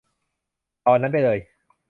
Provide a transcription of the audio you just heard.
เอาอันนั้นไปเลย